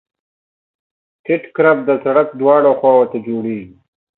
ټیټ کرب د سرک دواړو خواو ته جوړیږي